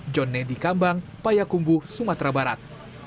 john nedi kambang payakumbu sumatera barat